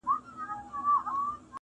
هره ماتې د زده کړې فرصت دی.